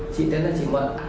chị thật là chị mật